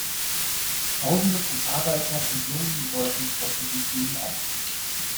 Tausende von Arbeitern und jungen Leuten schlossen sich ihnen an.